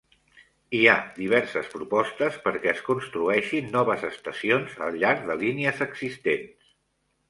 Hi ha diverses propostes perquè es construeixin noves estacions al llarg de línies existents.